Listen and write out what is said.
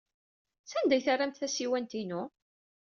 Sanda ay terramt tasiwant-inu?